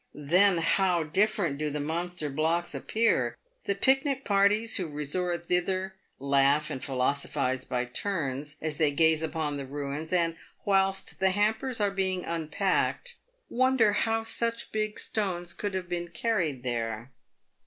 Then how different do the monster blocks appear! The pic nic parties who resort thither laugh and philosophise by turns as they gaze upon the ruins, and, whilst the hampers are being unpacked, wonder how such big stones could have been carried there.